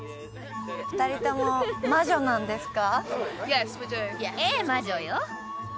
２人とも魔女なんですか？